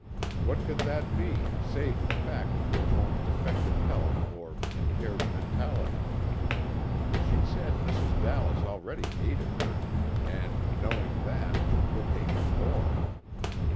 What could that be, save the fact of her own defective health, or impaired mentality? She said Mrs. Dallas already hated her, and, knowing that, would hate her more.